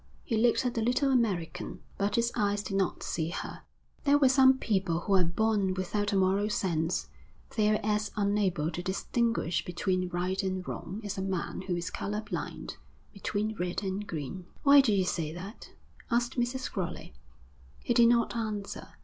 He looked at the little American, but his eyes did not see her. 'There are some people who are born without a moral sense. They are as unable to distinguish between right and wrong as a man who is colour blind, between red and green.' 'Why do you say that?' asked Mrs. Crowley. He did not answer.